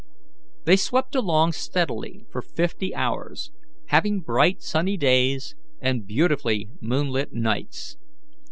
They swept along steadily for fifty hours, having bright sunny days and beautifully moonlit nights.